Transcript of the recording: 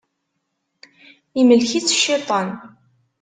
Yemlek-itt cciṭan.